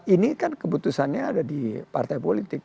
ini kan keputusannya ada di partai politik